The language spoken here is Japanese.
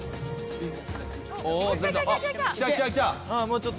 あっ！